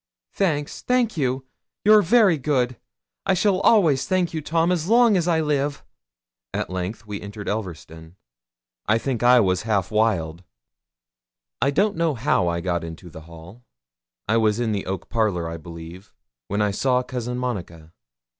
'Thanks thank you you're very good I shall always thank you, Tom, as long as I live!' At length we entered Elverston. I think I was half wild. I don't know how I got into the hall. I was in the oak parlour, I believe, when I saw cousin Monica.